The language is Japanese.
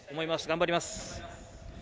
頑張ります。